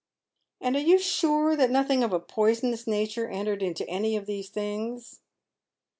" And are you sure that nothing of a poisonous nature entered into any of these things